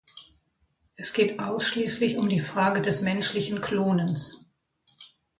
Es geht ausschließlich um die Frage des menschlichen Klonens.